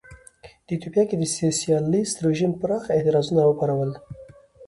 په ایتوپیا کې د سوسیالېست رژیم پراخ اعتراضونه را وپارول.